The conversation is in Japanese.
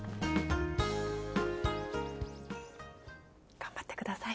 頑張ってください。